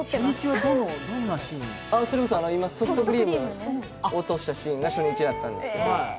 ソフトクリームを落としたシーンが初日だったんですけど。